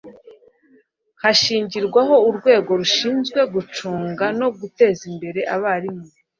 hanashyirwaho urwego rushinzwe gucunga no guteza imbere abarimu